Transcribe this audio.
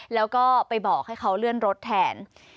แล้วก็ไปบอกให้เขาเลื่อนรถแทน